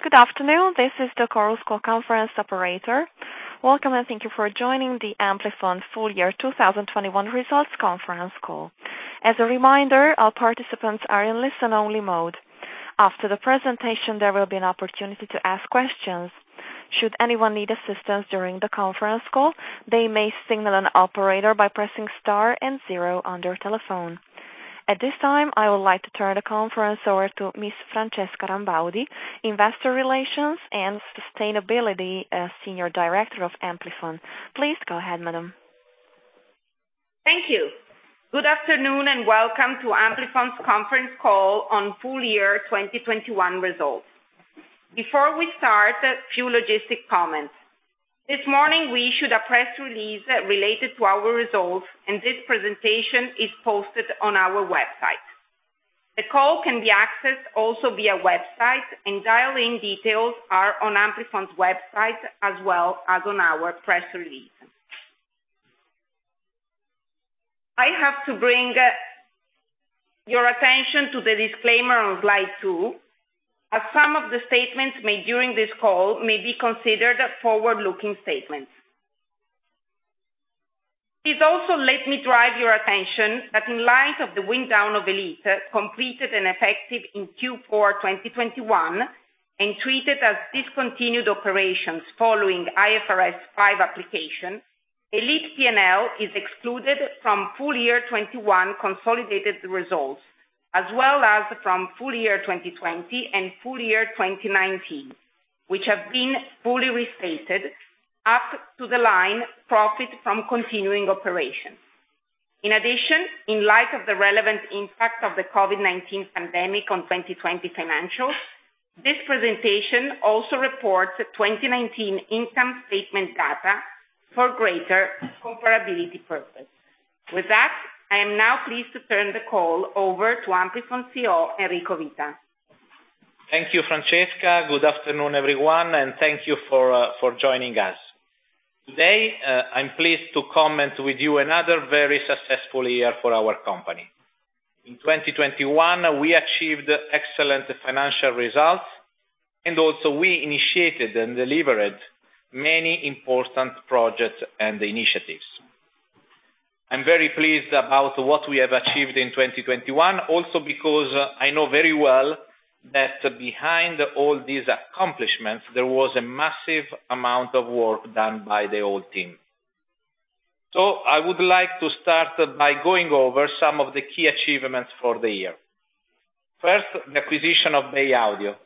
Good afternoon. This is the Chorus Call conference operator. Welcome, and thank you for joining the Amplifon full year 2021 results conference call. As a reminder, all participants are in listen-only mode. After the presentation, there will be an opportunity to ask questions. Should anyone need assistance during the conference call, they may signal an operator by pressing star and zero on their telephone. At this time, I would like to turn the conference over to Ms. Francesca Rambaudi, Investor Relations and Sustainability Senior Director of Amplifon. Please go ahead, madam. Thank you. Good afternoon, and welcome to Amplifon's conference call on full year 2021 results. Before we start to few logistic comments this morning, we issued a press release related to our results, and this presentation is posted on our website. The call can be accessed also via website, and dial-in details are on Amplifon's website as well as on our press release. I have to bring your attention to the disclaimer on Slide two, as some of the statements made during this call may be considered forward-looking statements. Please also let me drive your attention that in light of the wind-down of Elite completed and effective in Q4 2021 and treated as discontinued operations following IFRS 5 application, Elite P&L is excluded from full year 2021 consolidated results, as well as from full year 2020 and full year 2019, which have been fully restated up to the profit line from continuing operations. In addition, in light of the relevant impact of the COVID-19 pandemic on 2020 financials, this presentation also reports 2019 income statement data for greater comparability purposes. With that, I am now pleased to turn the call over to Amplifon CEO, Enrico Vita. Thank you, Francesca. Good afternoon everyone, and thank you for joining us. Today, I'm pleased to comment with you another very successful year for our company. In 2021, we achieved excellent financial results, and also we initiated and delivered many important projects and initiatives. I'm very pleased about what we have achieved in 2021 also because I know very well that behind all these accomplishments, there was a massive amount of work done by the whole team. So I would like to start by going over some of the key achievements for the year. First, the acquisition of Bay Audio,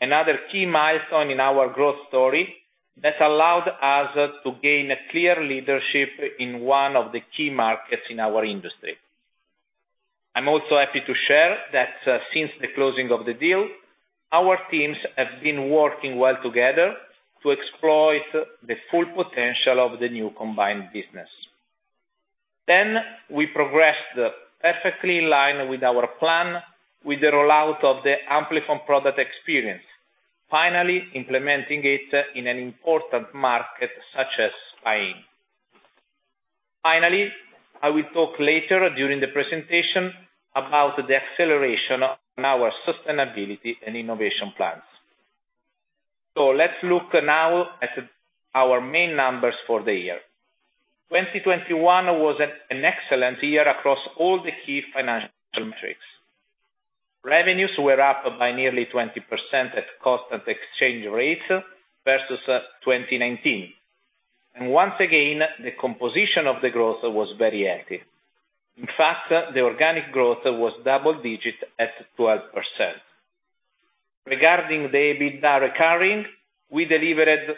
another key milestone in our growth story that allowed us to gain a clear leadership in one of the key markets in our industry. I'm also happy to share that since the closing of the deal, our teams have been working well together to exploit the full potential of the new combined business and we progressed perfectly in line with our plan with the rollout of the Amplifon Product Experience, finally implementing it in an important market such as Spain. Finally, I will talk later during the presentation about the acceleration on our sustainability and innovation plans. Let's look now at our main numbers for the year. 2021 was an excellent year across all the key financial metrics. Revenues were up by nearly 20% at constant exchange rates versus 2019. Once again, the composition of the growth was very active. In fact, the organic growth was double digit at 12%. Regarding the EBITDA recurring, we delivered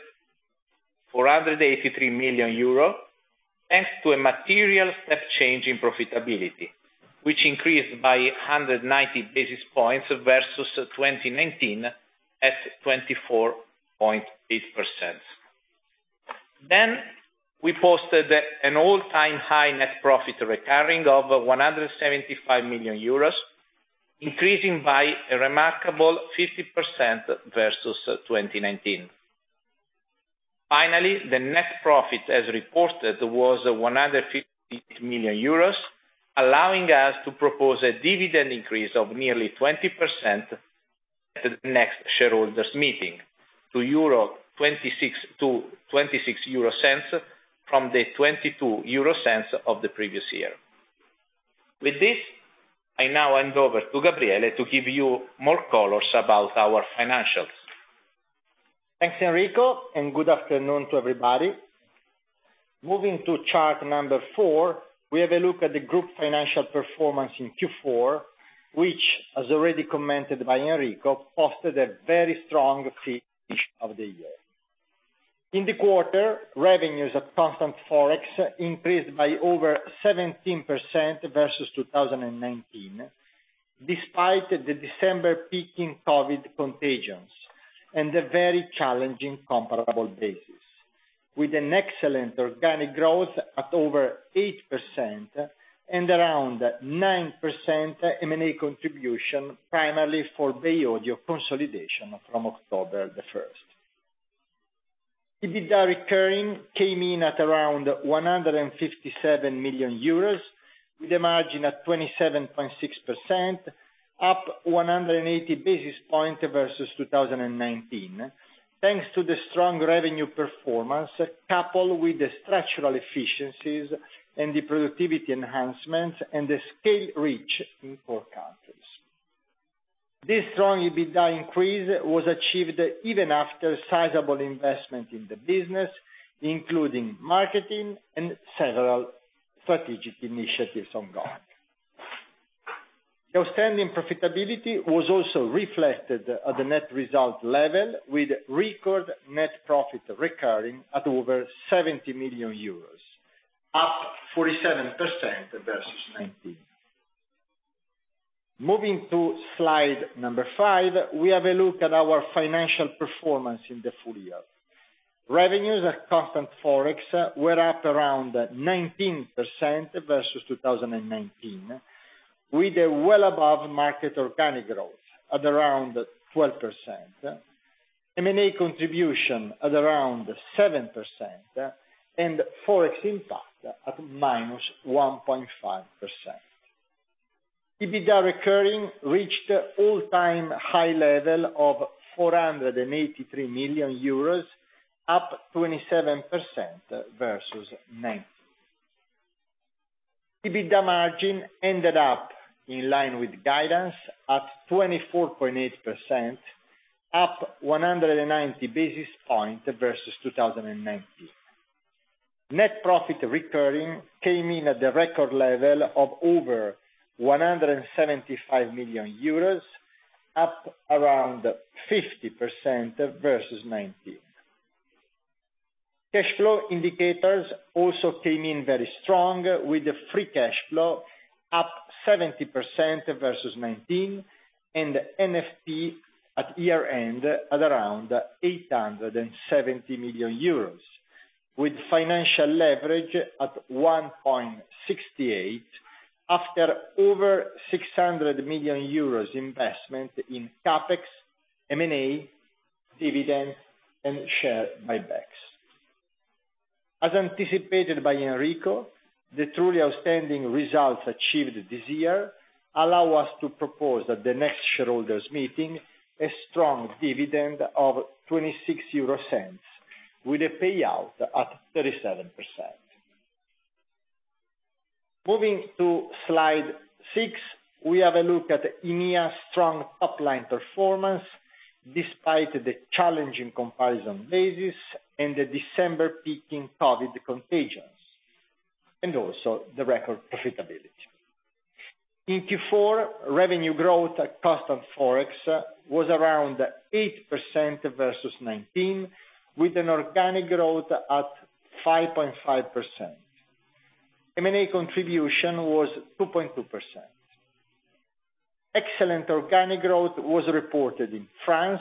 483 million euro, thanks to a material step change in profitability, which increased by 190 basis points versus 2019 at 24.8%. Then we posted an all-time high net profit recurring of 175 million euros, increasing by a remarkable 50% versus 2019. Finally, the net profit, as reported, was 158 million euros, allowing us to propose a dividend increase of nearly 20% at the next shareholders' meeting to 0.26 from the 0.22 of the previous year. With this, I now hand over to Gabriele to give you more colors about our financials. Thanks, Enrico, and good afternoon to everybody. Moving to chart number four, we have a look at the group financial performance in Q4, which, as already commented by Enrico, posted a very strong finish of the year. In the quarter, revenues at constant ForEx increased by over 17% versus 2019, despite the December peaking COVID contagions and a very challenging comparable basis, with an excellent organic growth at over 8% and around 9% M&A contribution, primarily for Bay Audio consolidation from October 1. EBITDA recurring came in at around 157 million euros, with the margin at 27.6%, up 180 basis points versus 2019, thanks to the strong revenue performance, coupled with the structural efficiencies and the productivity enhancements and the scale reach in core countries. This strong EBITDA increase was achieved even after sizable investment in the business, including marketing and several strategic initiatives ongoing. The outstanding profitability was also reflected at the net result level, with record net profit recurring at over 70 million euros, up 47% versus 2019. Moving to Slide number five, we have a look at our financial performance in the full year. Revenues at constant Forex were up around 19% versus 2019, with a well above market organic growth at around 12%, M&A contribution at around 7%, and ForEx impact at minus 1.5%. EBITDA recurring reached all-time high level of 483 million euros, up 27% versus 2019. EBITDA margin ended up in line with guidance at 24.8%, up 190 basis points versus 2019. Net profit recurring came in at the record level of over 175 million euros, up around 50% versus 2019. Cash flow indicators also came in very strong, with the free cash flow up 70% versus 2019 and NFP at year-end at around 870 million euros, with financial leverage at 1.68 after over 600 million euros investment in CapEx, M&A, dividends, and share buybacks. As anticipated by Enrico, the truly outstanding results achieved this year allow us to propose at the next shareholders meeting a strong dividend of 0.26 with a payout at 37%. Moving to Slide six, we have a look at EMEA strong top line performance despite of the challenging comparison basis and the December peaking COVID-19 contagions, and also the record profitability. In Q4, revenue growth at constant ForEx was around 8% versus 2019, with an organic growth at 5.5%. M&A contribution was 2.2%. Excellent organic growth was reported in France,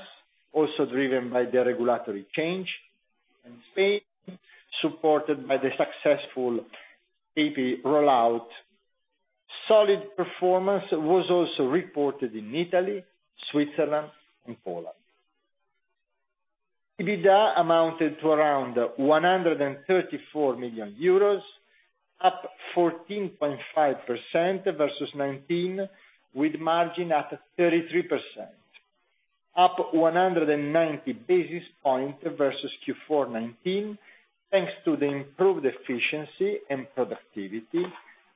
also driven by the regulatory change, and Spain, supported by the successful AP rollout. Solid performance was also reported in Italy, Switzerland, and Poland. EBITDA amounted to around 134 million euros, up 14.5% versus 2019, with margin at 33%, up 190 basis points versus Q4 2019, thanks to the improved efficiency and productivity,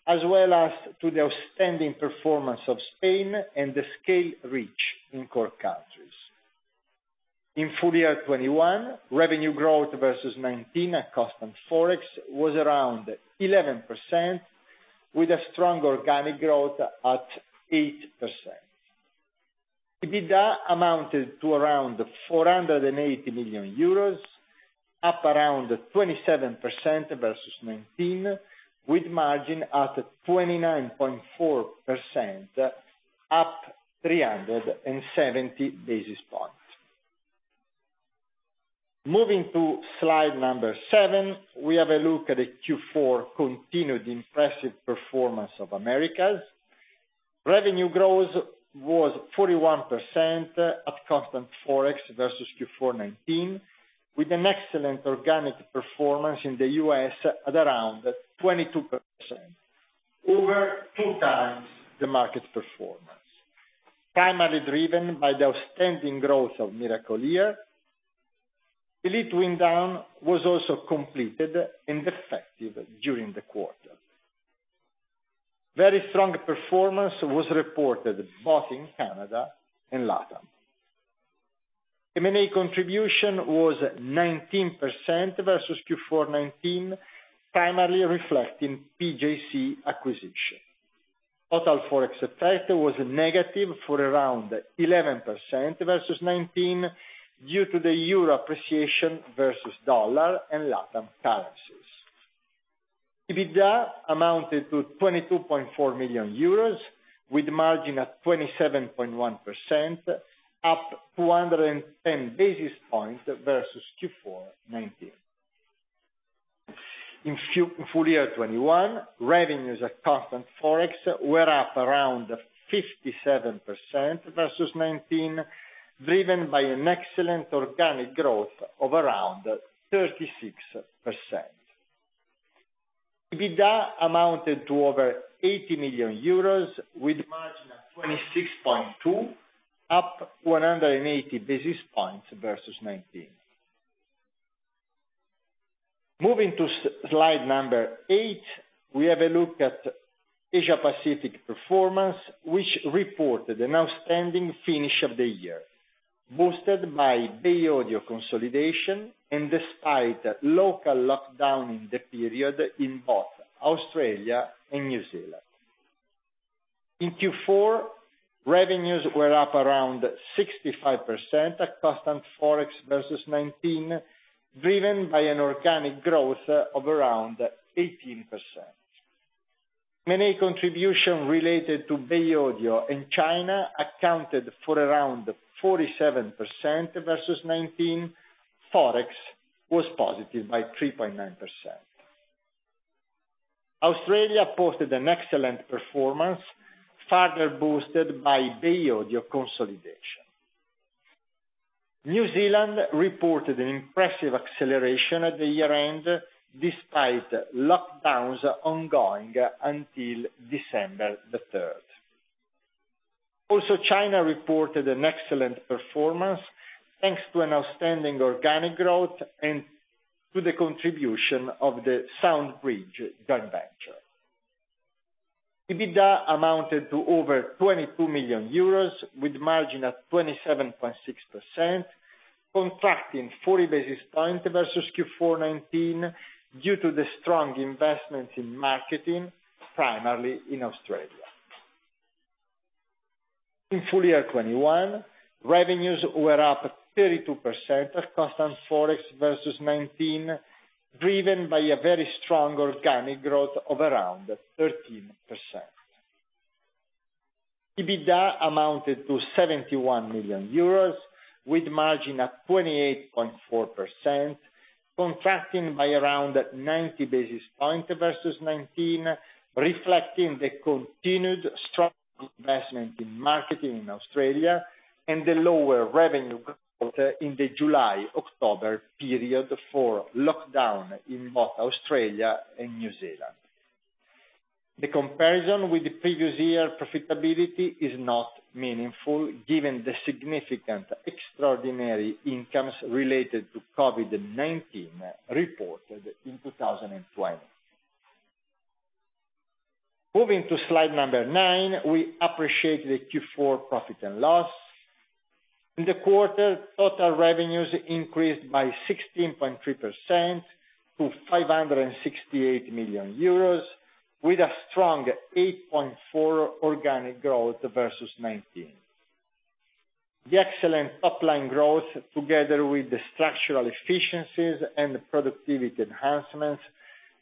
as well as to the outstanding performance of Spain and the scale reach in core countries. In full year 2021, revenue growth versus 2019 at constant ForEx was around 11% with a strong organic growth at 8%. EBITDA amounted to around 480 million euros, up around 27% versus 2019, with margin at 29.4%, up 370 basis points. Moving to Slide number seven, we have a look at the Q4 continued impressive performance of Americas. Revenue growth was 41% at constant ForEx versus Q4 2019, with an excellent organic performance in the U.S. at around 22%, over two times the market performance, primarily driven by the outstanding growth of Miracle-Ear, Elite wind down was also completed and effective during the quarter. Very strong performance was reported both in Canada and LatAm. M&A contribution was 19% versus Q4 2019, primarily reflecting PJC acquisition. Total ForEx effect was negative for around 11% versus 2019 due to the Euro appreciation versus dollar in LatAm currencies. EBITDA amounted to 22.4 million euros with margin at 27.1%, up 210 basis points versus Q4 2019. In full year 2021, revenues at constant Forex were up around 57% versus 2019, driven by an excellent organic growth of around 36%. EBITDA amounted to over 80 million euros with margin at 26.2, up 180 basis points versus 2019. Moving to Slide number eight, we have a look at Asia Pacific performance, which reported an outstanding finish of the year, boosted by Bay Audio consolidation and despite local lockdown in the period in both Australia and New Zealand. In Q4, revenues were up around 65% at constant Forex versus 2019, driven by an organic growth of around 18%. M&A contribution related to Bay Audio in China accounted for around 47% versus 2019, ForEx was positive by 3.9%. Australia posted an excellent performance, further boosted by Bay Audio consolidation. New Zealand reported an impressive acceleration at the year-end despite lockdowns ongoing until December the third. Also, China reported an excellent performance thanks to an outstanding organic growth and to the contribution of the SoundBridge joint venture. EBITDA amounted to over 22 million euros with margin at 27.6%, contracting 40 basis points versus Q4 2019 due to the strong investments in marketing, primarily in Australia. In full year 2021, revenues were up 32% at constant ForEx versus 2019, driven by a very strong organic growth of around 13%. EBITDA amounted to EUR 71 million with margin at 28.4%, contracting by around 90 basis points versus 2019, reflecting the continued strong investment in marketing in Australia and the lower revenue growth in the July-October period for lockdown in both Australia and New Zealand. The comparison with the previous year profitability is not meaningful given the significant extraordinary incomes related to COVID-19 reported in 2020. Moving to Slide number nine, we appreciate the Q4 profit and loss. In the quarter, total revenues increased by 16.3% to 568 million euros with a strong 8.4% organic growth versus 2019. The excellent top-line growth, together with the structural efficiencies and productivity enhancements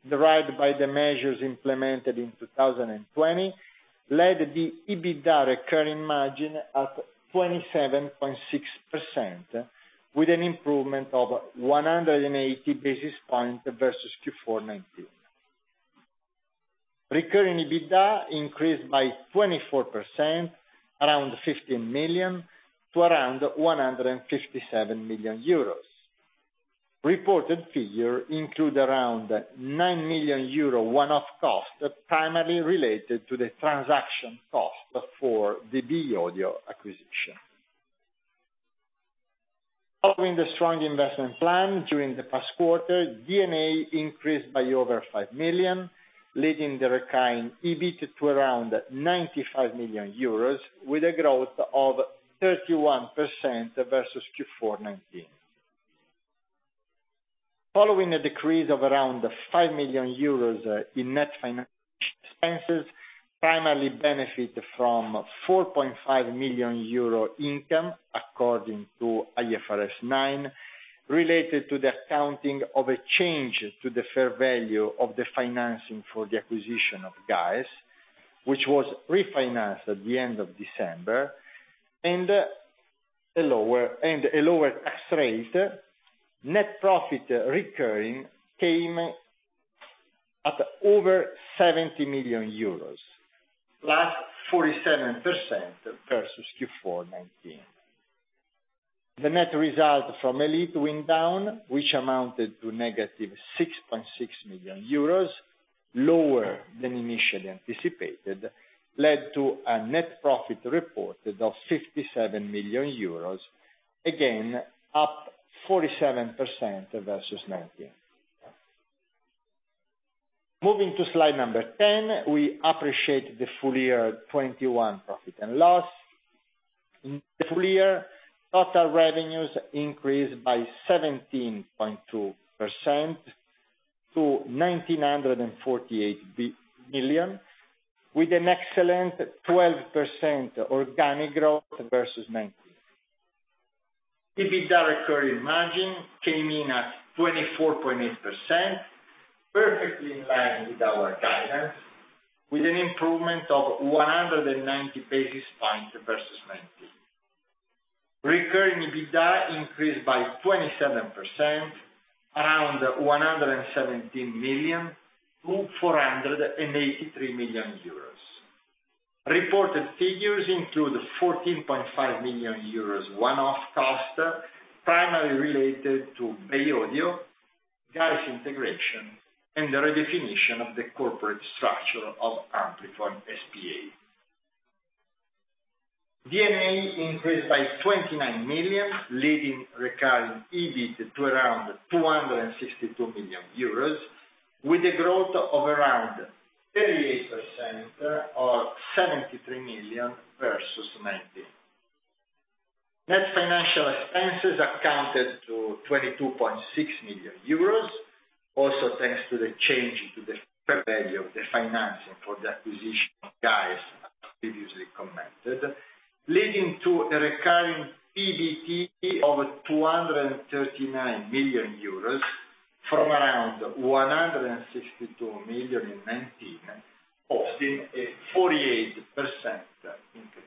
derived by the measures implemented in 2020, led the EBITDA recurring margin at 27.6% with an improvement of 180 basis points versus Q4 2019. Recurring EBITDA increased by 24%, around 15 million to around 157 million euros. Reported figure include around 9 million euro one-off cost primarily related to the transaction cost for the Bay Audio acquisition. Following the strong investment plan during the past quarter, D&A increased by over 5 million, leading the recurring EBIT to around 95 million euros with a growth of 31% versus Q4 2019. Following a decrease of around 5 million euros in net financial expenses, primarily benefit from 4.5 million euro income according to IFRS 9, related to the accounting of a change to the fair value of the financing for the acquisition of GAES, which was refinanced at the end of December, and a lower tax rate, net profit recurring came at over EUR 70 million, +47% versus Q4 2019. The net result from Elite wind-down, which amounted to -6.6 million euros, lower than initially anticipated, led to a net profit reported of 57 million euros, again up 47% versus 2019. Moving to Slide number 10, we appreciate the full year 2021 profit and loss. In the full year, total revenues increased by 17.2% to 1,948 billion with an excellent 12% organic growth versus 2019. EBITDA recurring margin came in at 24.8%, perfectly in line with our guidance, with an improvement of 190 basis points versus 2019. Recurring EBITDA increased by 27% around 117 million to 483 million euros. Reported figures include 14.5 million euros one-off cost, primarily related to Bay Audio, GAES integration, and the redefinition of the corporate structure of Amplifon S.p.A. D&A increased by 29 million, leading recurring EBIT to around 262 million euros with a growth of around 38% or 73 million versus 2019. Net financial expenses amounted to 22.6 million euros. Also thanks to the change to the fair value of the financing for the acquisition of GAES as previously commented, leading to a recurring PBT of 239 million euros from around 162 million in 2019, posting a 48% increase.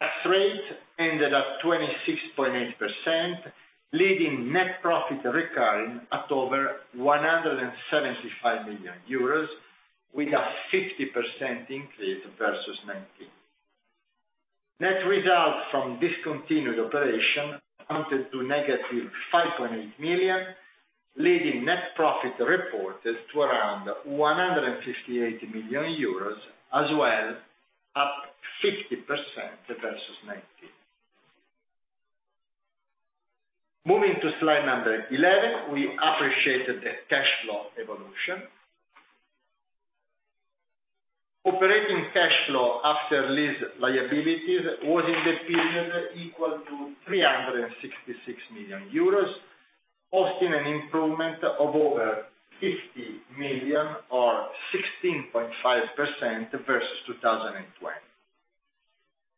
Tax rate ended at 26.8%, leaving net profit recurring at over 175 million euros with a 50% increase versus 2019. Net results from discontinued operation amounted to -5.8 million, leading net profit reported to around 158 million euros as well, up 60% versus 2019. Moving to Slide number 11, we appreciated the cash flow evolution. Operating cash flow after lease liabilities was in the period equal to 366 million euros, posting an improvement of over 50 million or 16.5% versus 2020.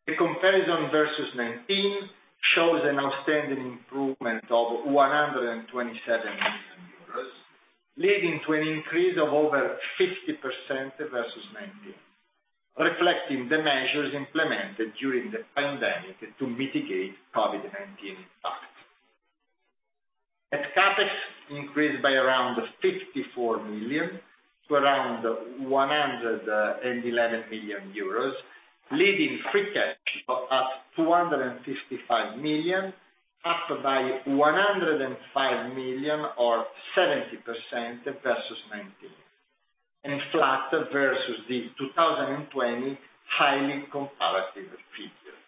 The comparison versus 2019 shows an outstanding improvement of 127 million euros, leading to an increase of over 50% versus 2019, reflecting the measures implemented during the pandemic to mitigate COVID-19 impact. Net CapEx increased by around 54 million to around 111 million euros, leading free cash at 255 million, up by 105 million or 70% versus 2019, and it's flatter versus the 2020 highly comparative figure.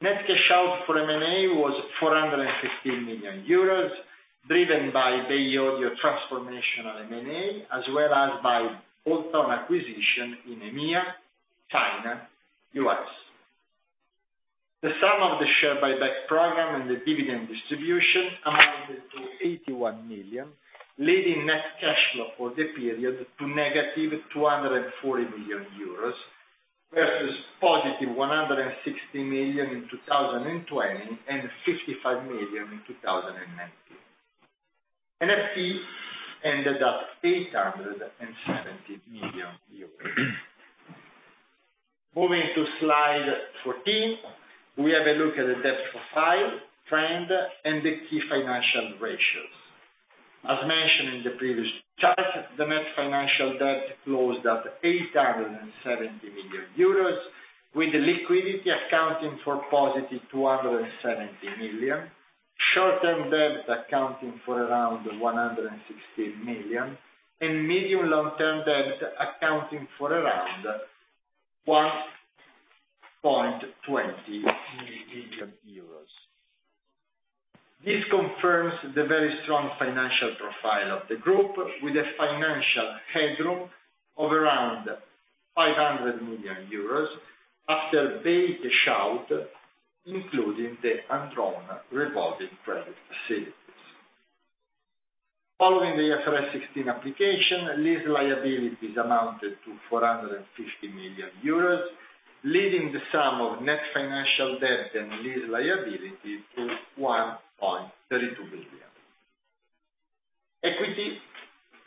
Net cash out for M&A was 416 million euros, driven by Bay Audio transformational M&A, as well as by bolt-on acquisition in EMEA, China, U.S. The sum of the share buyback program and the dividend distribution amounted to 81 million, leading net cash flow for the period to -240 million euros versus +160 million in 2020 and 55 million in 2019. NFP ended up 870 million euros. Moving to Slide 14, we have a look at the debt profile, trend, and the key financial ratios. As mentioned in the previous chart, the net financial debt closed at 870 million euros, with the liquidity accounting for +270 million, short-term debt accounting for around 116 million, and medium long-term debt accounting for around 1.20 million. This confirms the very strong financial profile of the group with a financial headroom of around 500 million euros after paying the debt, including the undrawn revolving credit facilities. Following the IFRS 16 application, lease liabilities amounted to 450 million euros, leading to the sum of net financial debt and lease liability to 1.32 billion. Equity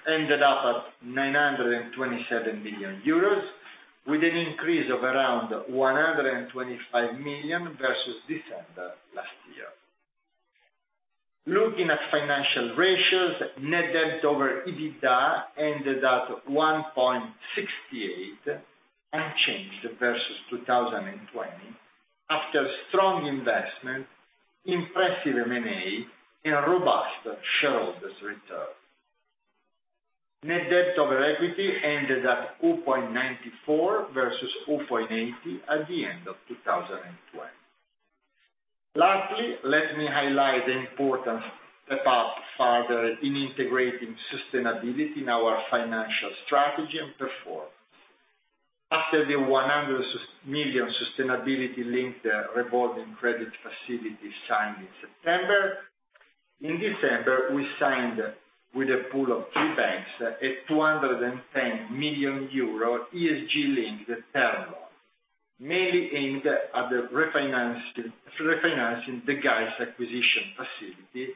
ended up at 927 million euros with an increase of around 125 million versus December last year. Looking at financial ratios, net debt over EBITDA ended at 1.68, unchanged versus 2020 after strong investment, impressive M&A, and a robust shareholders return. Net debt over equity ended at 0.94 versus 0.80 at the end of 2020. Lastly, let me highlight the importance of our further integrating sustainability in our financial strategy and performance. After the 100 million sustainability-linked revolving credit facility signed in September, in December, we signed with a pool of three banks a 210 million euro ESG-linked term loan, mainly aimed at refinancing the GAES acquisition facility,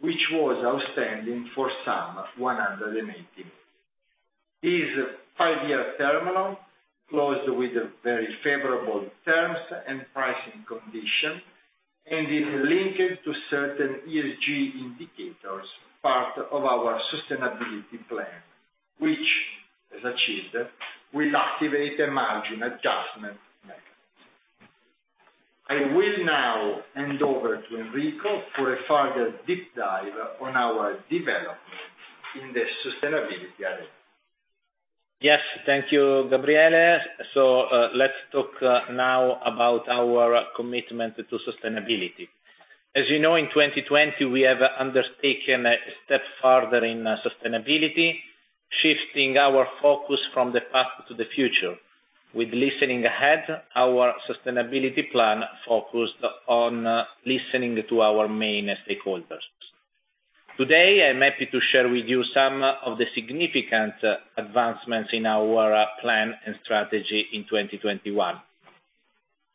which was outstanding for sum of 180 million. It is a five-year term loan closed with very favorable terms and pricing conditions, and is linked to certain ESG indicators, part of our sustainability plan, which, as achieved, will activate a margin adjustment mechanism. I will now hand over to Enrico for a further deep dive on our development in the sustainability area. Yes. Thank you, Gabriele. Let's talk now about our commitment to sustainability. As you know, in 2020, we have undertaken a step further in sustainability, shifting our focus from the past to the future with listening ahead, our sustainability plan focused on listening to our main stakeholders. Today, I'm happy to share with you some of the significant advancements in our plan and strategy in 2021.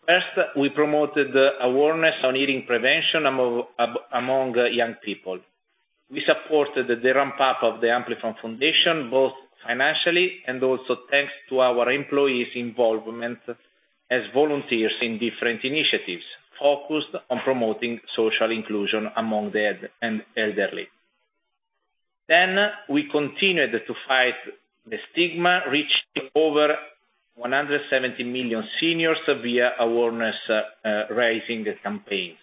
First, we promoted awareness on hearing prevention among young people. We supported the ramp-up of the Amplifon Foundation, both financially and also thanks to our employees' involvement as volunteers in different initiatives focused on promoting social inclusion among the elderly. Then we continued to fight the stigma, reaching over 170 million seniors via awareness raising campaigns.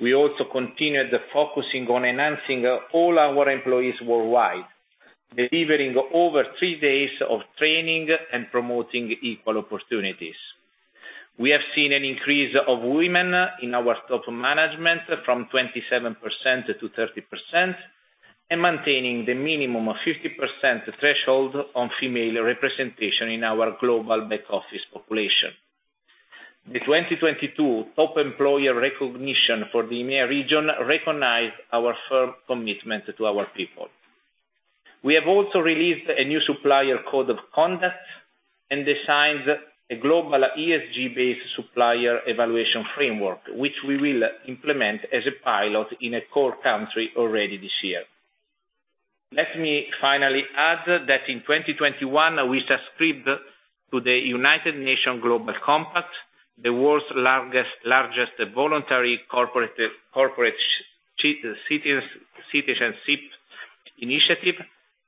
We continued focusing on enhancing all our employees worldwide, delivering over three days of training and promoting equal opportunities. We have seen an increase of women in our top management from 27% to 30%, and maintaining the minimum of 50% threshold on female representation in our global back office population. The 2022 Top Employer recognition for the EMEA region recognized our firm commitment to our people. We have also released a new supplier code of conduct, and designed a global ESG-based supplier evaluation framework, which we will implement as a pilot in a core country already this year. Let me finally add that in 2021, we subscribed to the United Nations Global Compact, the world's largest voluntary corporate citizenship initiative,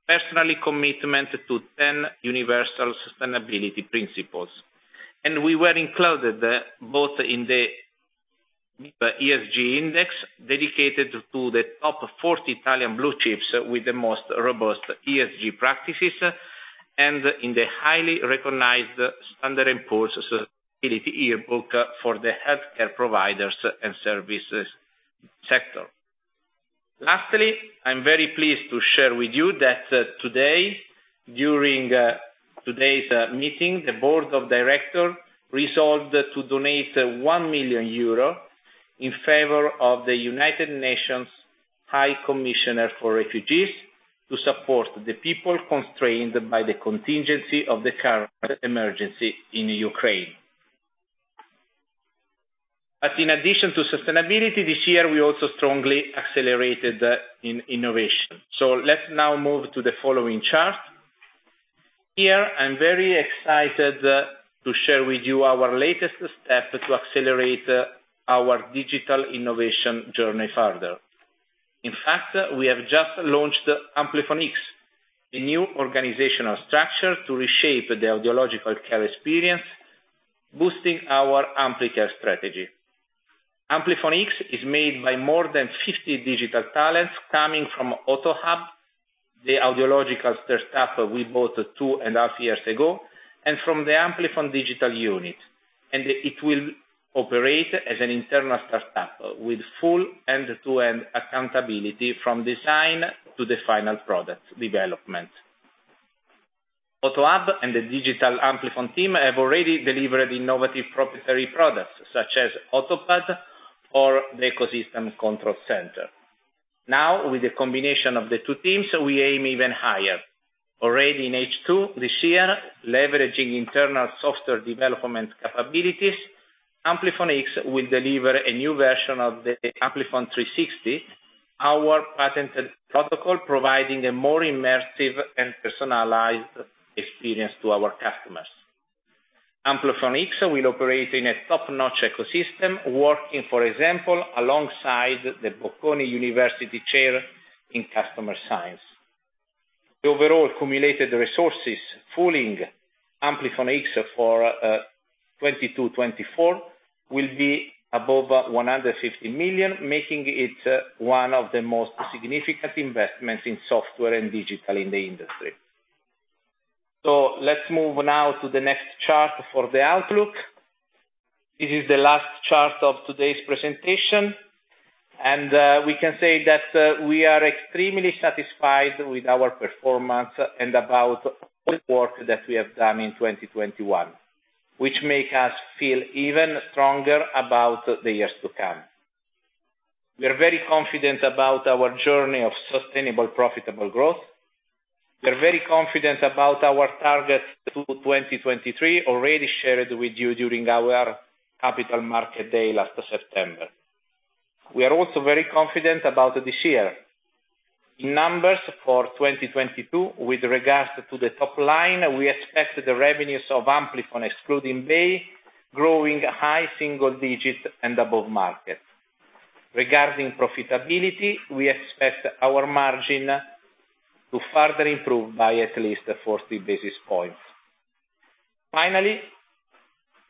personal commitment to 10 universal sustainability principles. And we were included both in the ESG index, dedicated to the top 40 Italian blue chips with the most robust ESG practices, and in the highly recognized S&P Global Sustainability Yearbook for the healthcare providers and services sector. Lastly, I'm very pleased to share with you that today, during today's meeting, the board of directors resolved to donate 1 million euro in favor of the United Nations High Commissioner for Refugees, to support the people constrained by the contingency of the current emergency in Ukraine. In addition to sustainability this year, we also strongly accelerated in innovation. So let's now move to the following chart. Here, I'm very excited to share with you our latest step to accelerate our digital innovation journey further. In fact, we have just launched Amplifon X, the new organizational structure to reshape the audiological care experience, boosting our Ampli-Care strategy. Amplifon X is made by more than 50 digital talents coming from Otohub, the audiological startup we bought two and a half years ago, and from the Amplifon digital unit. It will operate as an internal startup with full end-to-end accountability from design to the final product development. Otohub and the digital Amplifon team have already delivered innovative proprietary products such as Otopad or the Ecosystem Control Center. Now, with the combination of the two teams, we aim even higher. Already in H2, this year, leveraging internal software development capabilities, Amplifon X will deliver a new version of the Amplifon 360, our patented protocol, providing a more immersive and personalized experience to our customers. Amplifon X will operate in a top-notch ecosystem, working, for example, alongside the Bocconi University Chair in Customer Science. The overall cumulated resources fueling AmplifonX for 2022-2024 will be above 150 million, making it one of the most significant investments in software and digital in the industry. So let's move now to the next chart for the outlook, this is the last chart of today's presentation and we can say that we are extremely satisfied with our performance and about all the work that we have done in 2021, which make us feel even stronger about the years to come. We are very confident about our journey of sustainable profitable growth. We are very confident about our targets through 2023, already shared with you during our capital market day last September. We are also very confident about this year. In numbers for 2022, with regards to the top line, we expect the revenues of Amplifon excluding Bay growing high single digit and above market. Regarding profitability, we expect our margin to further improve by at least 40 basis points. Finally,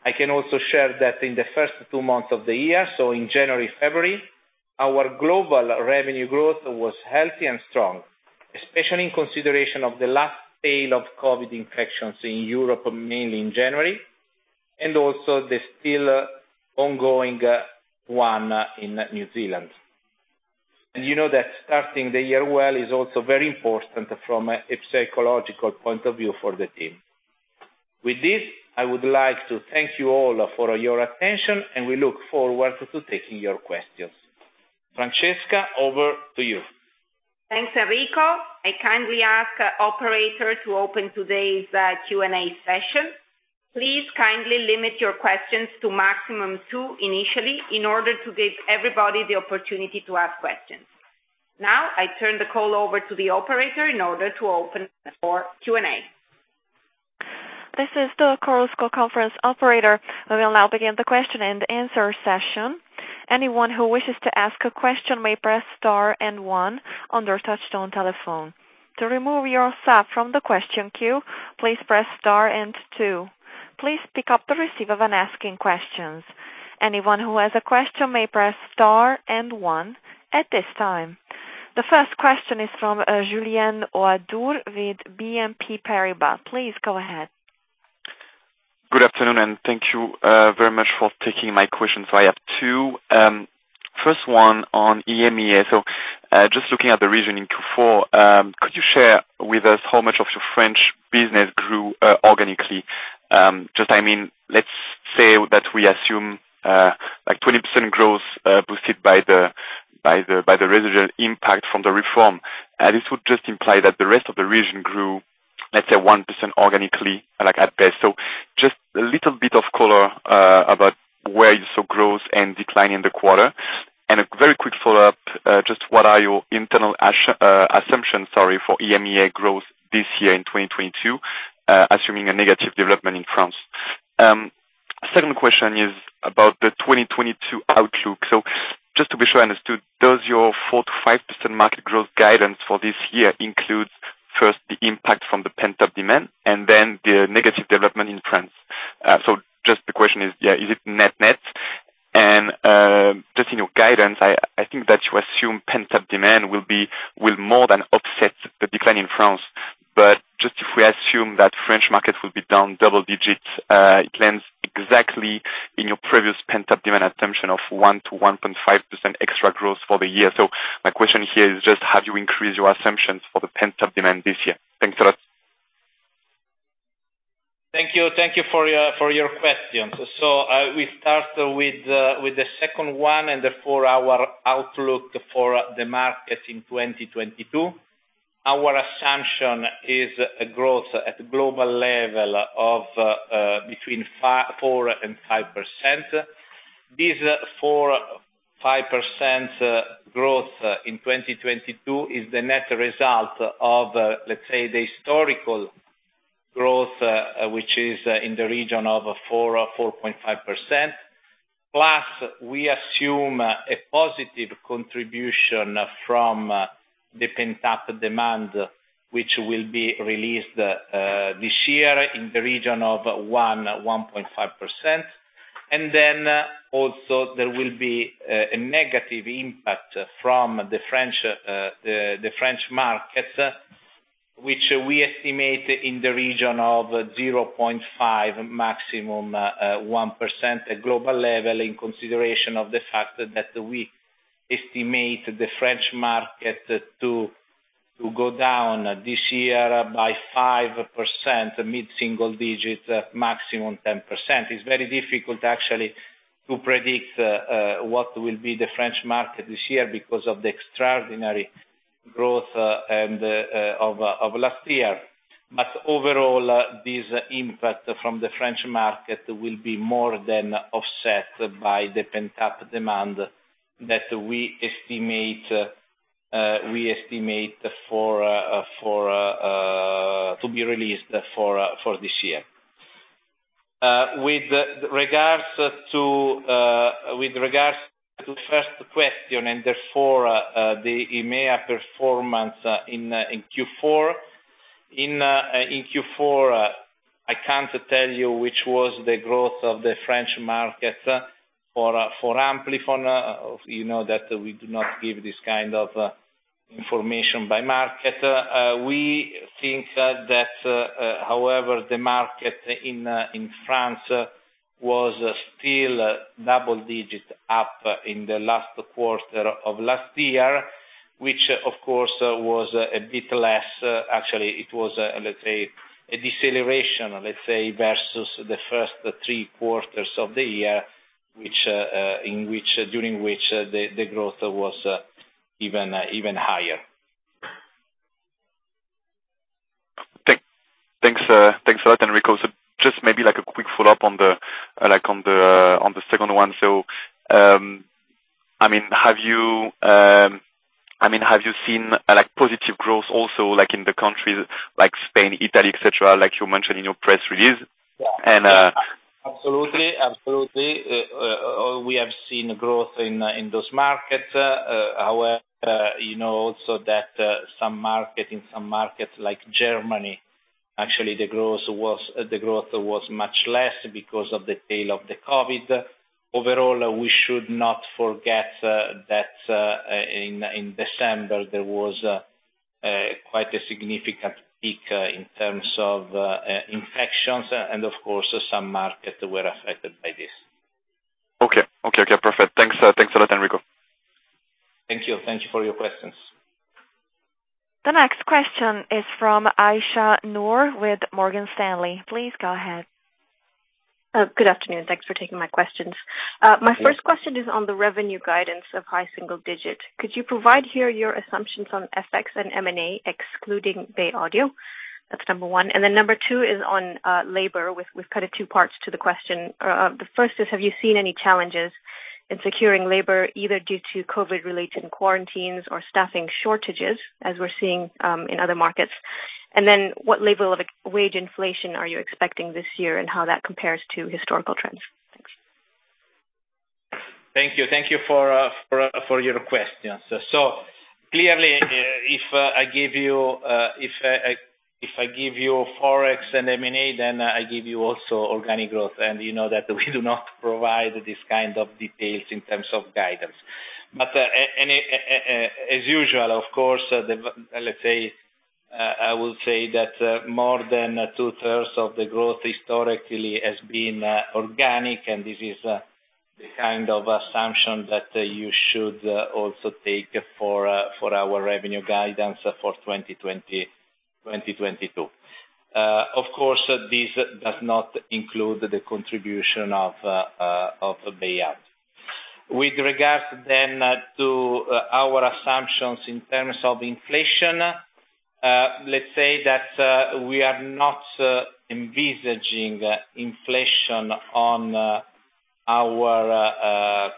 I can also share that in the first two months of the year, so in January, February, our global revenue growth was healthy and strong, especially in consideration of the last tail of COVID infections in Europe, mainly in January, and also the still ongoing one in New Zealand. You know that starting the year well is also very important from a psychological point of view for the team. With this, I would like to thank you all for your attention, and we look forward to taking your questions. Francesca, over to you. Thanks, Enrico. I kindly ask operator to open today's Q&A session. Please kindly limit your questions to maximum two initially, in order to give everybody the opportunity to ask questions. Now, I turn the call over to the operator in order to open for Q&A. This is the Chorus Call conference operator. We will now begin the question and answer session. Anyone who wishes to ask a question may press star and one on their touchtone telephone. To remove yourself from the question queue, please press star and two. Please pick up the receiver when asking questions. Anyone who has a question may press star and one at this time. The first question is from Julien Ouaddour with BNP Paribas. Please go ahead. Good afternoon, and thank you very much for taking my questions. I have two, first one on EMEA. Just looking at the region in Q4, could you share with us how much of your French business grew organically? Just I mean, let's say that we assume like 20% growth boosted by the residual impact from the reform. This would just imply that the rest of the region grew, let's say 1% organically, like at best. Just a little bit of color about where you saw growth and decline in the quarter. A very quick follow-up, just what are your internal assumptions for EMEA growth this year in 2022, assuming a negative development in France? Second question is about the 2022 outlook. Just to be sure I understood, does your 4%-5% market growth guidance for this year include first the impact from the pent-up demand and then the negative development in France? Just the question is, yeah, is it net-net? Just in your guidance, I think that you assume pent-up demand will more than offset the decline in France, but just if we assume that French market will be down double digits, it lands exactly in your previous pent-up demand assumption of 1%-1.5% extra growth for the year. So my question here is just have you increased your assumptions for the pent-up demand this year? Thanks a lot. Thank you for your questions. So we start with the second one and therefore, our outlook for the market in 2022. Our assumption is a growth at global level of between 4%-5%. This 4%-5% growth in 2022 is the net result of, let's say, the historical growth, which is in the region of 4% or 4.5%. Plus, we assume a positive contribution from the pent-up demand, which will be released this year in the region of 1%-1.5%. There will be a negative impact from the French market, which we estimate in the region of 0.5% maximum 1% global level in consideration of the fact that we estimate the French market to go down this year by 5% mid-single digit, maximum 10%. It's very difficult actually to predict what will be the French market this year because of the extraordinary growth of last year. But overall, this impact from the French market will be more than offset by the pent-up demand that we estimate to be released for this year. With regards to the first question and therefore the EMEA performance in Q4. In Q4, I can't tell you which was the growth of the French market for Amplifon. You know that we do not give this kind of information by market. We think that, however, the market in France was still double-digit up in the last quarter of last year, which of course was a bit less, actually it was, let's say, a deceleration, let's say, versus the first three quarters of the year, which, in which, during which the growth was even higher. Thanks a lot, Enrico. Just maybe like a quick follow-up on the like the second one. So I mean, have you, have you seen, like, positive growth also, like in the countries like Spain, Italy, et cetera, like you mentioned in your press release? Yeah. And, uh- Absolutely. We have seen growth in those markets. However, you know also that in some markets like Germany, actually the growth was much less because of the tail of the COVID. Overall, we should not forget that in December there was quite a significant peak in terms of infections and of course some markets were affected by this. Okay, okay perfect. Thanks a lot, Enrico. Thank you. Thank you for your questions. The next question is from Aisha Noor with Morgan Stanley. Please go ahead. Good afternoon. Thanks for taking my questions. My first question is on the revenue guidance of high single digit. Could you provide here your assumptions on FX and M&A excluding Bay Audio? That's number one. Number two is on labor with kind of two parts to the question. The first is, have you seen any challenges in securing labor, either due to COVID related quarantines or staffing shortages as we're seeing in other markets? And then what level of wage inflation are you expecting this year, and how that compares to historical trends? Thanks. Thank you for your questions. Clearly, if I give you, if I give you ForEx and M&A then I give you also organic growth. You know that we do not provide this kind of details in terms of guidance. As usual, of course, let's say, I would say that more than 2/3 of the growth historically has been organic, and this is the kind of assumption that you should also take for our revenue guidance for 2020, 2022. Of course, this does not include the contribution of Bay Audio. With regards to our assumptions in terms of inflation, let's say that we are not envisaging inflation on our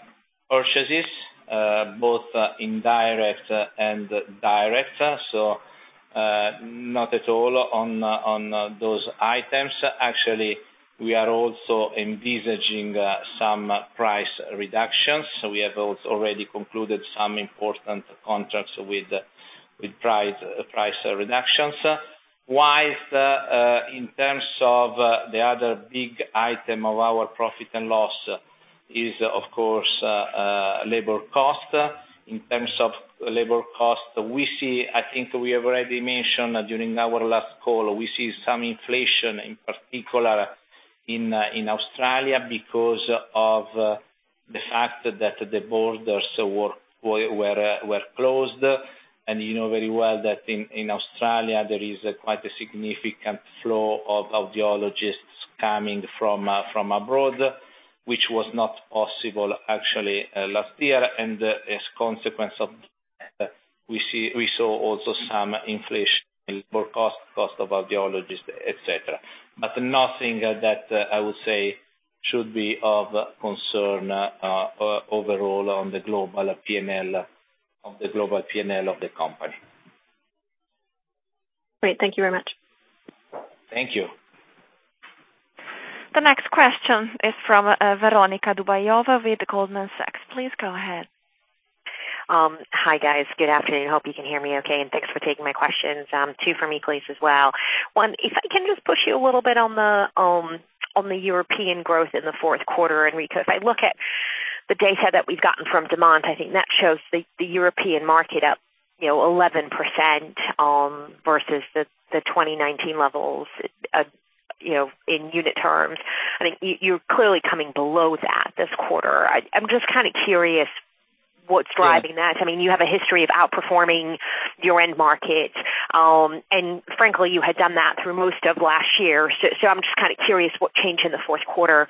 purchases, both indirect and direct. Not at all on those items. Actually, we are also envisaging some price reductions, so we have also already concluded some important contracts with price reductions. While in terms of the other big item of our profit and loss is of course labor cost. In terms of labor cost, I think we have already mentioned during our last call, we see some inflation in particular in Australia because of the fact that the borders were closed. And you know very well that in Australia there is quite a significant flow of audiologists coming from abroad, which was not possible actually last year. As consequence of that we saw also some inflation in labor cost of audiologists, et cetera. But nothing that I would say should be of concern overall on the global P&L, of the global P&L of the company. Great. Thank you very much. Thank you. The next question is from Veronika Dubajova with Goldman Sachs. Please go ahead. Hi guys. Good afternoon. Hope you can hear me okay, and thanks for taking my questions. Two for me, please, as well. One, if I can just push you a little bit on the European growth in the fourth quarter, Enrico. If I look at the data that we've gotten from demand, I think that shows the European market up, you know, 11%, versus the 2019 levels, in unit terms. I think you're clearly coming below that this quarter. I'm just kind of curious what's driving that. Sure. I mean, you have a history of outperforming your end market, and frankly, you had done that through most of last year. So I'm just kind of curious what changed in the fourth quarter,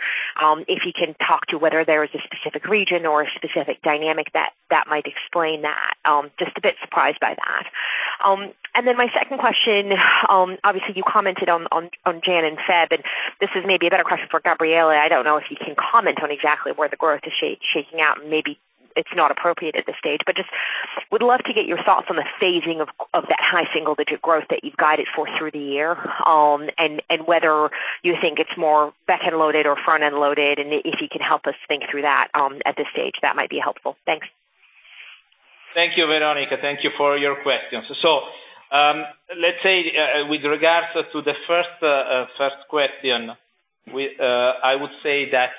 if you can talk to whether there is a specific region or a specific dynamic that might explain that. Just a bit surprised by that. And then my second question, obviously you commented on January and February, and this is maybe a better question for Gabriele. I don't know if you can comment on exactly where the growth is shaking out, and maybe it's not appropriate at this stage. Just would love to get your thoughts on the phasing of that high single digit growth that you've guided for through the year. whether you think it's more back-end loaded or front-end loaded, and if you can help us think through that, at this stage, that might be helpful. Thanks. Thank you, Veronika. Thank you for your questions. Let's say with regards to the first question, I would say that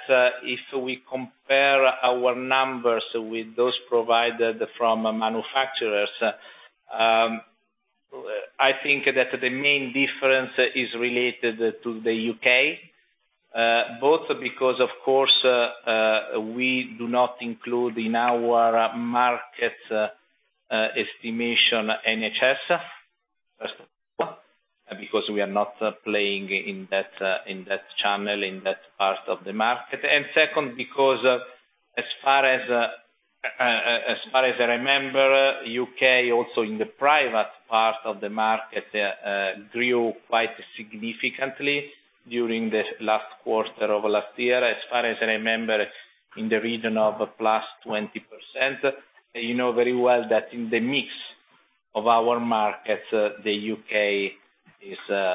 if we compare our numbers with those provided from manufacturers, I think that the main difference is related to the U.K., both because of course we do not include in our market estimation NHS, because we are not playing in that channel, in that part of the market. And second, because as far as I remember, U.K. also in the private part of the market grew quite significantly during the last quarter of last year, as far as I remember, in the region of +20%. You know very well that in the mix of our markets, the U.K.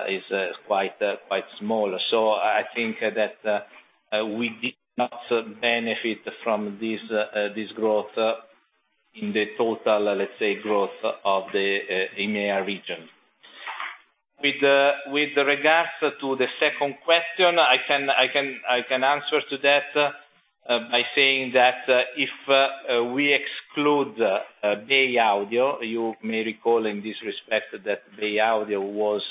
is quite, quite small. I think that we did not benefit from this growth in the total, let's say, growth of the EMEA region. With regards to the second question, I can answer to that by saying that if we exclude Bay Audio, you may recall in this respect that Bay Audio was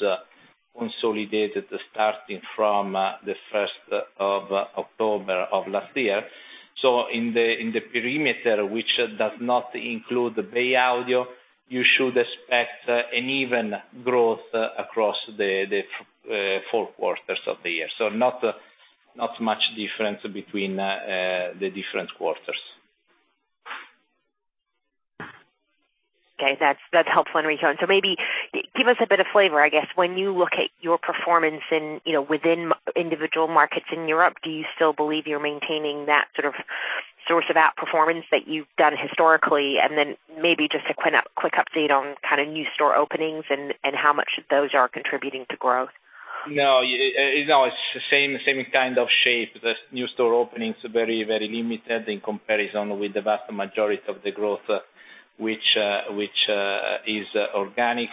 consolidated starting from the first of October of last year. In the perimeter, which does not include Bay Audio, you should expect an even growth across the four quarters of the year. So not much difference between the different quarters. Okay. That's helpful, Enrico. Maybe give us a bit of flavor, I guess when you look at your performance and, you know, within individual markets in Europe, do you still believe you're maintaining that sort of source of outperformance that you've done historically? And then maybe just a quick update on kind of new store openings and how much those are contributing to growth? No, you know, it's the same kind of shape. The new store openings are very limited in comparison with the vast majority of the growth which is organic.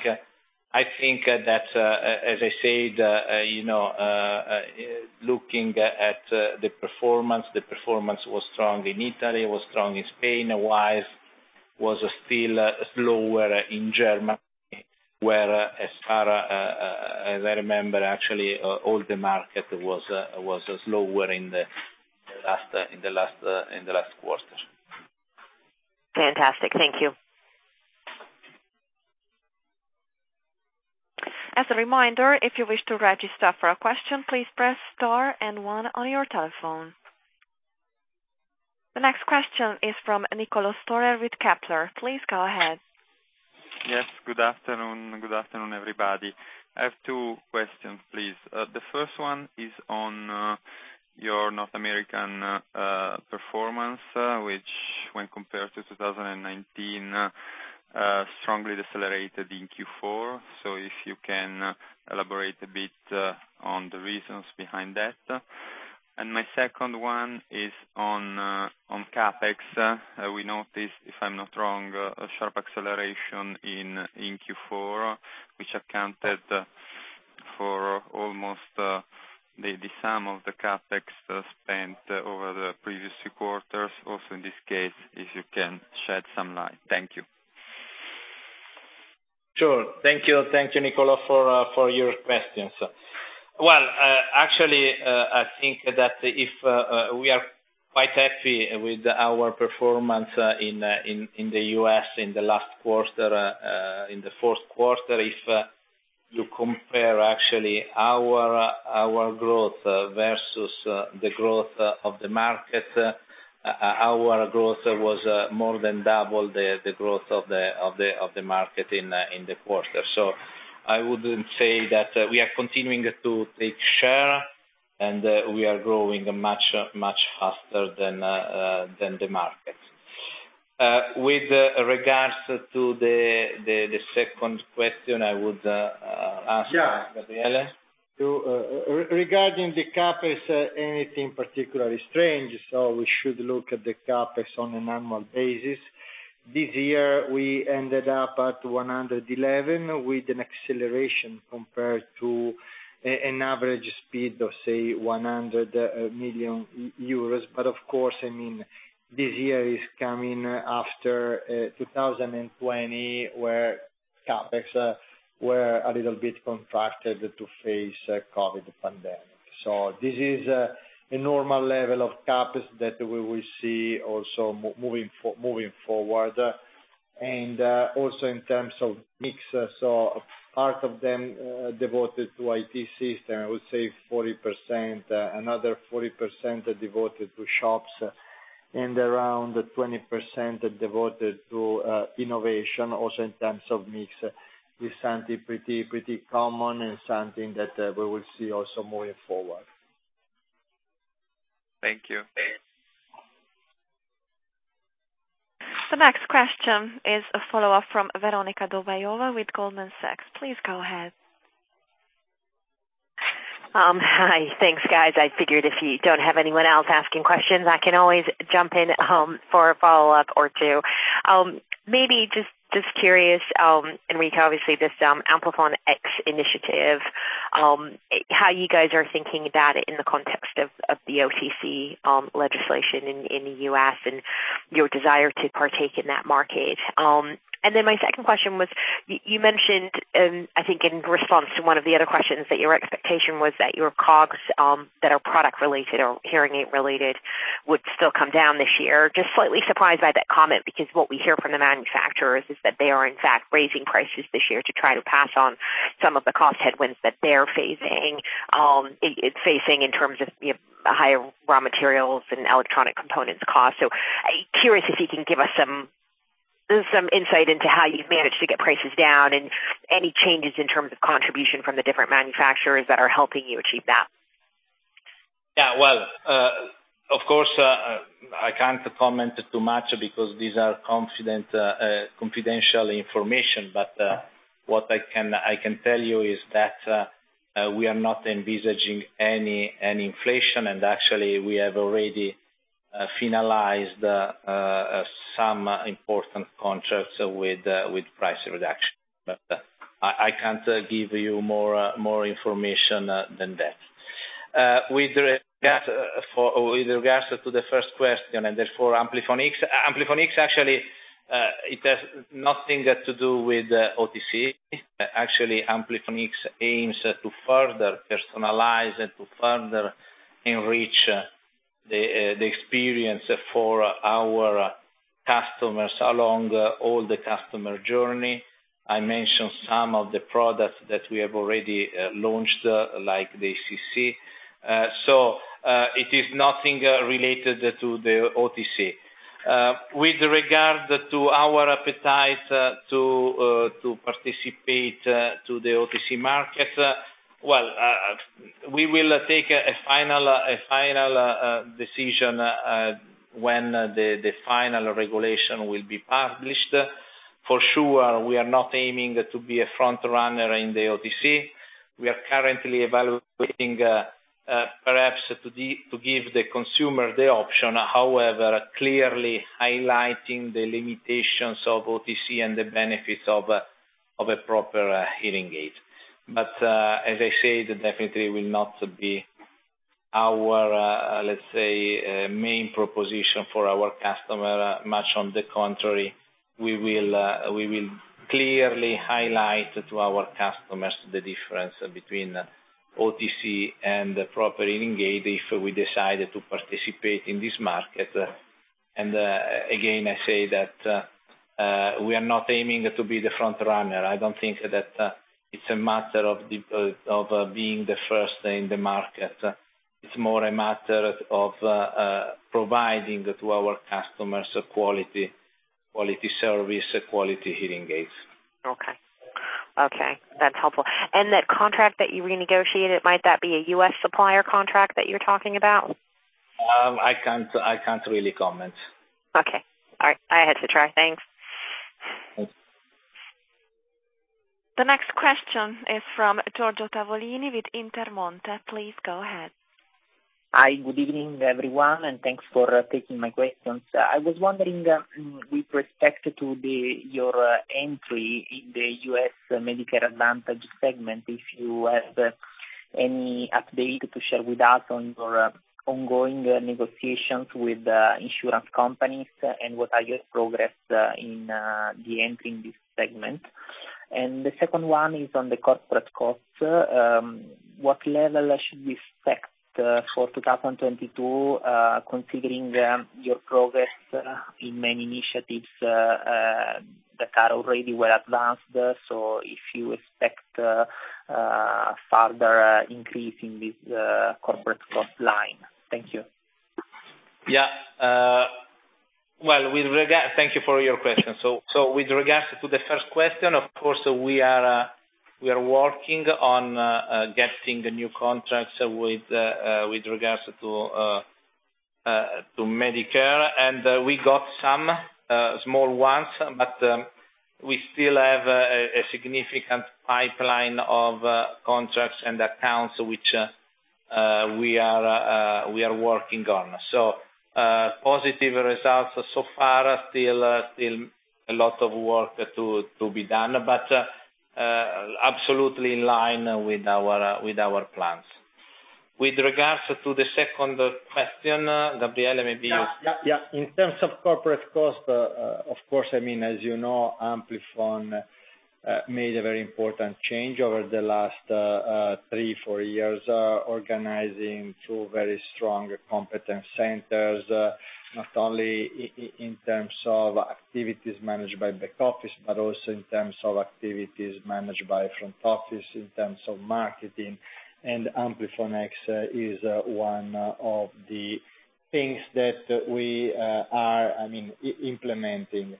I think that, as I said, you know, looking at the performance, the performance was strong in Italy, it was strong in Spain. While it was still slower in Germany, where, as far as I remember, actually all the market was slower in the last quarter. Fantastic. Thank you. As a reminder, if you wish to register for a question, please press star and one on your telephone. The next question is from Niccolò Storer with Kepler. Please go ahead. Yes, good afternoon. Good afternoon, everybody. I have two questions, please. The first one is on your North American performance, which when compared to 2019, strongly decelerated in Q4. If you can elaborate a bit on the reasons behind that. My second one is on CapEx. We noticed, if I'm not wrong, a sharp acceleration in Q4, which accounted for almost the sum of the CapEx spent over the previous two quarters. Also, in this case, if you can shed some light. Thank you. Sure. Thank you. Thank you Nicolo, for your questions. Well, actually, I think that we are quite happy with our performance in the U.S. in the last quarter, in the fourth quarter. If you compare actually our growth versus the growth of the market, our growth was more than double the growth of the market in the quarter. So I wouldn't say that we are continuing to take share, and we are growing much faster than the market. With regards to the second question, I would ask Gabriele. Yeah, regarding the CapEx, anything particularly strange. We should look at the CapEx on an annual basis. This year we ended up at 111 million, with an acceleration compared to an average speed of, say, 100 million euros. But of course, I mean this year is coming after 2020, where CapEx were a little bit contracted to face a COVID pandemic. So this is a normal level of CapEx that we will see also moving forward. And also in terms of mix, so part of them devoted to IT system, I would say 40%, another 40% are devoted to shops and around 20% are devoted to innovation, also in terms of mix is something pretty common and something that we will see also moving forward. Thank you. The next question is a follow-up from Veronika Dubajova with Goldman Sachs. Please go ahead. Hi. Thanks, guys. I figured if you don't have anyone else asking questions, I can always jump in for a follow-up or two. Maybe just curious, Enrico, obviously this Amplifon X initiative, how you guys are thinking about it in the context of the OTC legislation in the U.S. and your desire to partake in that market. My second question was, you mentioned, I think in response to one of the other questions, that your expectation was that your COGS that are product related or hearing aid related would still come down this year. Just slightly surprised by that comment, because what we hear from the manufacturers is that they are in fact raising prices this year to try to pass on some of the cost headwinds that they're facing in terms of, you know, higher raw materials and electronic components cost. Curious if you can give us some insight into how you've managed to get prices down and any changes in terms of contribution from the different manufacturers that are helping you achieve that. Yeah, well, of course, I can't comment too much because these are confidential information. But what I can tell you is that we are not envisaging any inflation, and actually we have already finalized some important contracts with price reduction. But I can't give you more information than that. With regards to the first question and therefore Amplifon X, Amplifon X actually it has nothing to do with OTC. Actually, Amplifon X aims to further personalize and to further enrich the experience for our customers along all the customer journey. I mentioned some of the products that we have already launched, like the ACC. So it is nothing related to the OTC. With regard to our appetite to participate to the OTC market, we will take a final decision when the final regulation will be published. For sure, we are not aiming to be a front runner in the OTC. We are currently evaluating perhaps to give the consumer the option, however, clearly highlighting the limitations of OTC and the benefits of a proper hearing aid. But as I said, definitely will not be our, let say, main proposition for our customer. Much on the contrary, we will clearly highlight to our customers the difference between OTC and the proper hearing aid if we decide to participate in this market, and again, I say that we are not aiming to be the front runner. I don't think that it's a matter of being the first in the market. It's more a matter of providing to our customers a quality service, quality hearing aids. Okay. Okay, that's helpful. And that contract that you renegotiated, might that be a U.S. supplier contract that you're talking about? I can't really comment. Okay. All right. I had to try. Thanks. The next question is from Giorgio Tavolini with Intermonte. Please go ahead. Hi, good evening, everyone, and thanks for taking my questions. I was wondering with respect to your entry in the U.S. Medicare Advantage segment, if you have any update to share with us on your ongoing negotiations with insurance companies and what are your progress in the entry in this segment? And the second one is on the corporate costs. What level should we expect for 2022, considering your progress in many initiatives that are already well advanced? So, if you expect a further increase in this corporate cost line? Thank you. Yeah, well thank you for your question. So, with regards to the first question, of course, we are working on getting new contracts with regards to Medicare and we got some small ones, but we still have a significant pipeline of contracts and accounts which we are working on. So, positive results so far. Still a lot of work to be done, but absolutely in line with our plans. With regards to the second question, Gabriele, maybe you- Yeah, yeah. In terms of corporate cost, of course, I mean, as you know, Amplifon made a very important change over the last three-four years, organizing two very strong competence centers, not only in terms of activities managed by back office, but also in terms of activities managed by front office in terms of marketing. Amplifon X is one of the things that we are, I mean, implementing.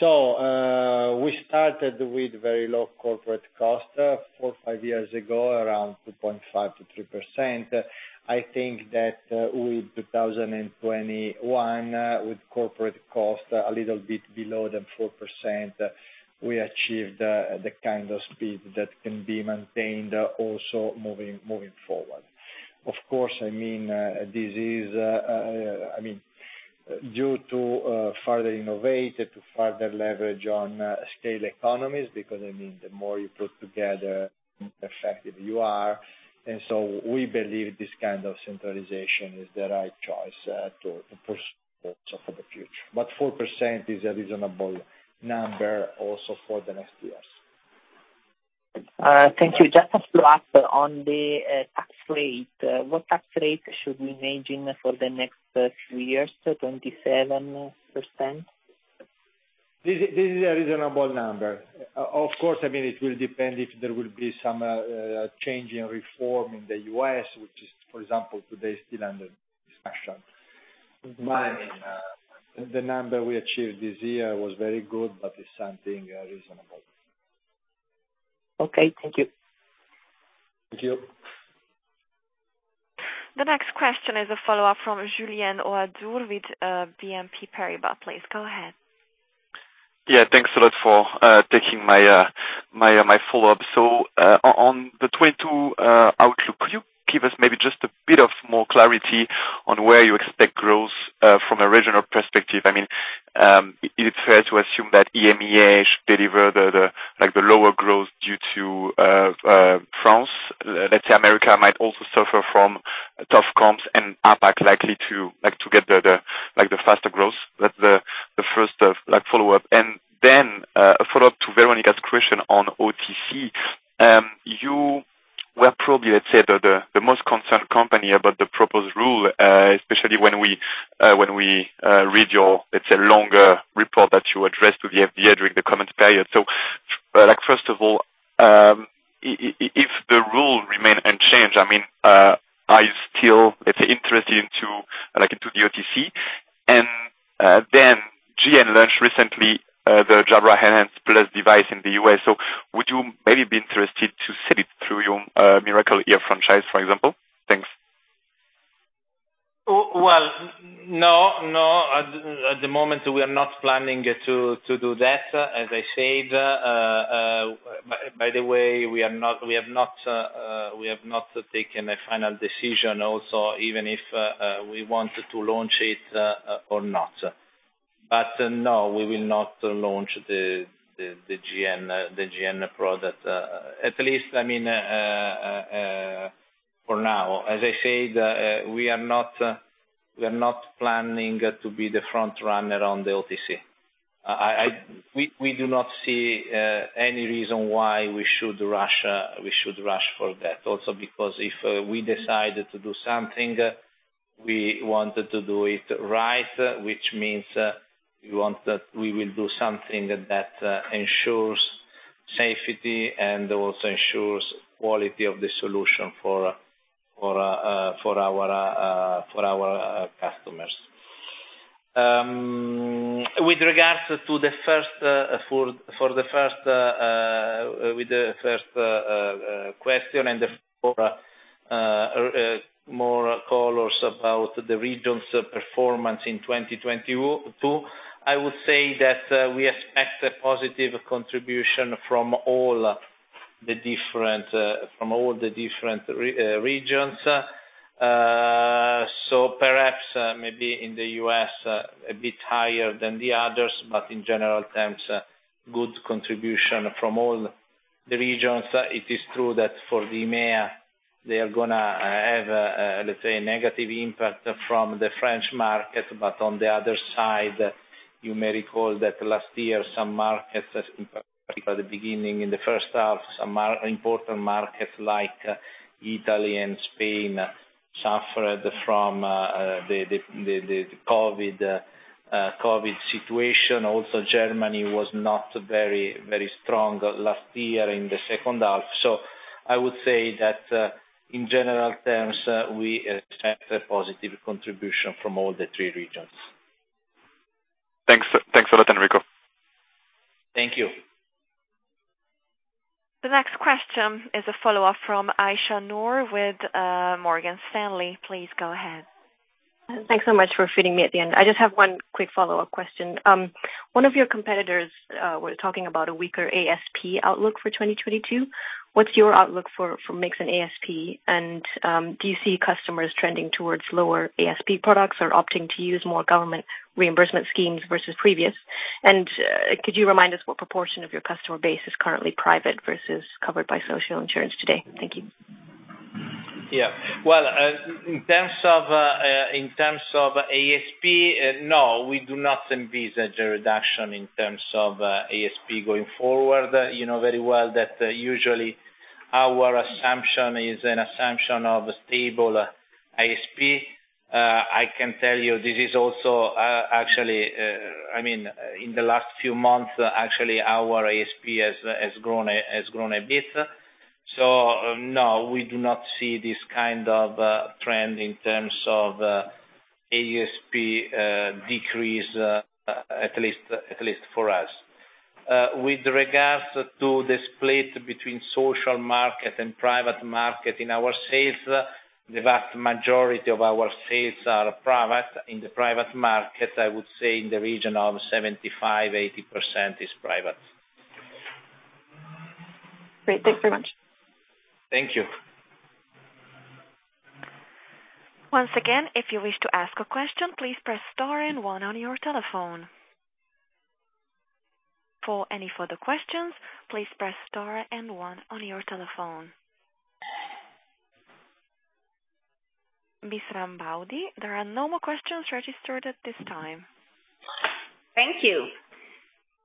So, we started with very low corporate cost four-five years ago, around 2.5%-3%. I think that with 2021, with corporate cost a little bit below than 4%, we achieved the kind of spend that can be maintained also moving forward. Of course, I mean, this is due to further innovate, to further leverage on scale economies, because, I mean, the more you put together, the more effective you are. And so we believe this kind of centralization is the right choice, to push also for the future. 4% is a reasonable number also for the next years. Thank you. Just to follow-up on the tax rate. What tax rate should we imagine for the next few years to 27%? This is a reasonable number. Of course, I mean, it will depend if there will be some change in reform in the U.S., which is, for example, today still under discussion. I mean, the number we achieved this year was very good, but it's something reasonable. Okay. Thank you. Thank you. The next question is a follow-up from Julien Ouaddour with BNP Paribas. Please go ahead. Yeah, thanks a lot for taking my follow-up. On the 2022 outlook, could you give us maybe just a bit of more clarity on where you expect growth from a regional perspective? I mean, it's fair to assume that EMEA should deliver the lower growth due to France. Let's say America might also suffer from tough comps and APAC likely to get the faster growth, that's the first follow-up. And then a follow-up to Veronika's question on OTC. You were probably, let's say, the most concerned company about the proposed rule, especially when we read your longer report that you addressed to the FDA during the comment period. Like, first of all, if the rule remain unchanged, I mean, are you still, let's say, interested into, like, into the OTC? And then GN launched recently the Jabra Enhance Plus device in the U.S., so would you maybe be interested to sell it through your Miracle-Ear franchise, for example? Thanks. Well, no. At the moment we are not planning to do that. As I said, by the way, we have not taken a final decision also, even if we wanted to launch it or not. But no, we will not launch the GN product, at least, I mean, for now. As I said, we are not planning to be the front runner on the OTC. We do not see any reason why we should rush for that. Also, because if we decided to do something, we wanted to do it right, which means we want that we will do something that ensures safety and also ensures quality of the solution for our customers. With regards to the first question and for more colors about the region's performance in 2022, I would say that we expect a positive contribution from all the different regions. So perhaps maybe in the U.S., a bit higher than the others, but in general terms, good contribution from all the regions. It is true that for the EMEA, they are gonna have, let's say, a negative impact from the French market. But on the other side, you may recall that last year, some markets, in fact, at the beginning, in the first half, some important markets like Italy and Spain suffered from the COVID situation. Also, Germany was not very, very strong last year in the second half. So I would say that, in general terms, we expect a positive contribution from all the three regions. Thanks. Thanks a lot, Enrico. Thank you. The next question is a follow-up from Aisha Noor with Morgan Stanley. Please go ahead. Thanks so much for fitting me at the end. I just have one quick follow-up question. One of your competitors were talking about a weaker ASP outlook for 2022. What's your outlook for mix and ASP? And do you see customers trending towards lower ASP products or opting to use more government reimbursement schemes versus previous? And could you remind us what proportion of your customer base is currently private versus covered by social insurance today? Thank you. Yeah. Well, in terms, in terms of ASP, no, we do not envisage a reduction in terms of ASP going forward. You know very well that usually our assumption is an assumption of stable ASP. I can tell you this is also actually, I mean, in the last few months, actually, our ASP has grown a bit. So no, we do not see this kind of trend in terms of ASP decrease, at least for us. With regards to the split between social market and private market in our sales, the vast majority of our sales are private. In the private market, I would say in the region of 75%-80% is private. Great. Thanks very much. Thank you. Once again, if you wish to ask a question, please press star and one on your telephone. For any further questions, please press star and one on your telephone. Ms. Rambaudi, there are no more questions registered at this time. Thank you.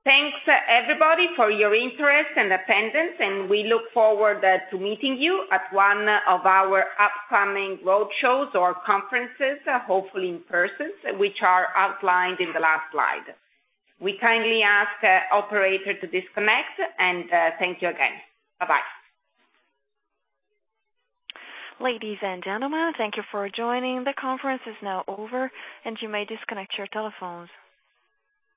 Thanks, everybody, for your interest and attendance, and we look forward to meeting you at one of our upcoming roadshows or conferences, hopefully in person, which are outlined in the last slide. We kindly ask operator to disconnect, and thank you again. Bye-bye. Ladies and gentlemen, thank you for joining. The conference is now over, and you may disconnect your telephones.